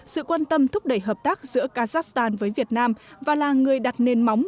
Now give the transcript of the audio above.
sự quan tâm thúc đẩy hợp tác giữa kazakhstan với việt nam và là người đặt nền móng